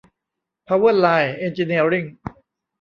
เพาเวอร์ไลน์ เอ็นจิเนียริ่ง